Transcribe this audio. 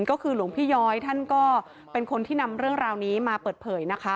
ก็คือหลวงพี่ย้อยท่านก็เป็นคนที่นำเรื่องราวนี้มาเปิดเผยนะคะ